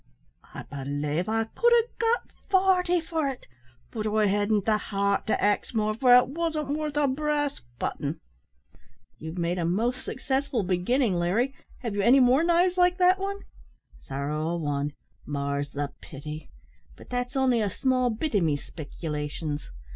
I belave I could ha' got forty for it, but I hadn't the heart to ax more, for it wasn't worth a brass button." "You've made a most successful beginning, Larry. Have you any more knives like that one?" "Sorrow a wan more's the pity. But that's only a small bit o' me speckilations.